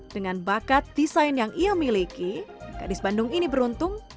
dengan bakat desain yang ia miliki gadis bandung ini beruntung